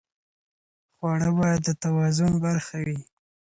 خواړه باید د توازن برخه وي.